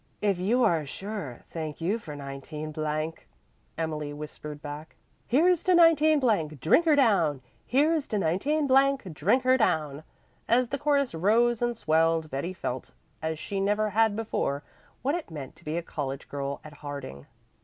"If you are sure Thank you for 19 ," Emily whispered back. "Here's to 19 , drink her down! Here's to 19 , drink her down!" As the chorus rose and swelled Betty felt, as she never had before, what it meant to be a college girl at Harding.